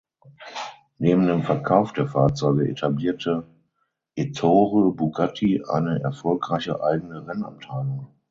Neben dem Verkauf der Fahrzeuge etablierte Ettore Bugatti eine erfolgreiche eigene Rennabteilung.